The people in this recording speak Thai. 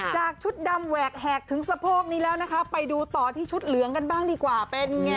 ชุดดำแหวกแหกถึงสะโพกนี้แล้วนะคะไปดูต่อที่ชุดเหลืองกันบ้างดีกว่าเป็นไง